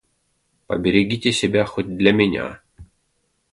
Поберегите себя хоть для меня».